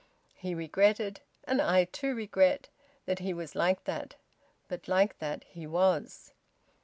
He regretted, and I too regret, that he was like that; but like that he was.